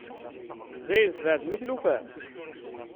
Dayen tbeɛɛdem i tlufa?